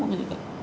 không có cái gì cả